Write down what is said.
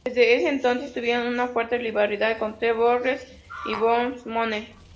Desde ese entonces tuvieron una fuerte rivalidad con The Wolves y con Beer Money.